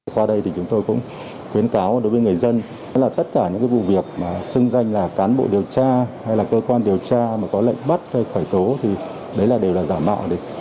qua đây thì chúng tôi cũng khuyến cáo đối với người dân là tất cả những vụ việc mà xưng danh là cán bộ điều tra hay là cơ quan điều tra mà có lệnh bắt hay khởi tố thì đấy là đều là giả mạo